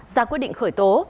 ra quyết định khởi tố